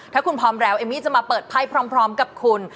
ถ้าคุณพร้อมแล้วเอมมี่จะมาเปิดไพ่พร้อมกับคุณ